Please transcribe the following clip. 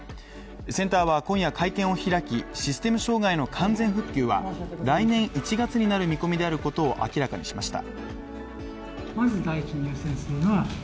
センターは今夜会見を開きシステム障害の完全復旧は来年１月になる見込みであることを明らかにしました。